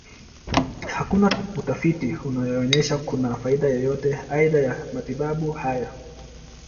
Hakuna utafiti unaonyesha kuna faida yoyote aidha ya matibabu haya.